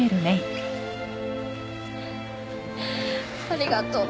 ありがとう。